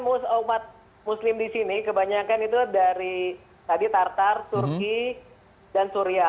kalau saya ketemu umat muslim di sini kebanyakan itu dari tadi tartar surki dan surya